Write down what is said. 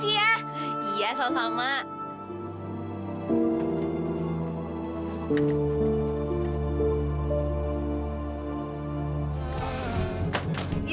nanti aku pake